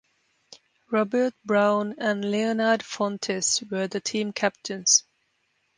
Robert Brown and Leonard Fontes were the team captains.